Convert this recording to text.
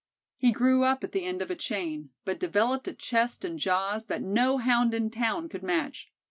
He grew up at the end of a chain, but developed a chest and jaws that no Hound in town could match.